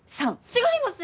違います！